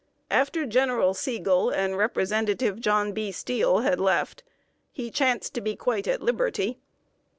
After General Sigel and Representative John B. Steele had left, he chanced to be quite at liberty.